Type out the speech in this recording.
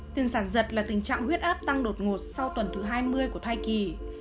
tiền sản giật là tình trạng huyết áp tăng đột ngột sau tuần thứ hai mươi của thai kỳ